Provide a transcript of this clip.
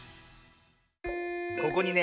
ここにね